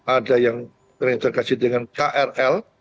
ada yang terintegrasi dengan krl